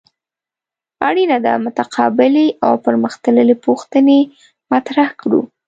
اړینه ده متقابلې او پرمخ تللې پوښتنې مطرح کړو.